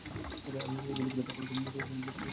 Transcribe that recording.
আমি নিজেকে গুলি করে তারপর লুইস এবং ব্যুককে খুন করেছি!